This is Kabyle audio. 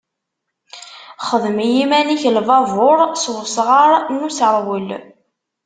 Xdem i yiman-ik lbabuṛ s wesɣar n iseṛwel.